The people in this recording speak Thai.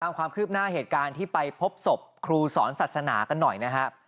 ความคืบหน้าเหตุการณ์ที่ไปพบศพครูสอนศาสนากันหน่อยนะครับ